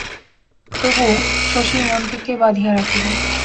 তবু, শশীর মনকে কে বাধিয়া রাখিবে?